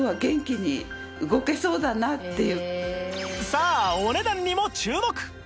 さあお値段にも注目！